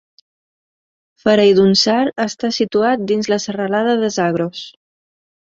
Fereydunshahr està situat dins la serralada de Zagros.